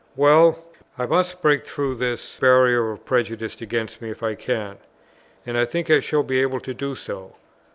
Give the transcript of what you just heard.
Well, I must break through this barrier of prejudice against me if I can; and I think I shall be able to do so.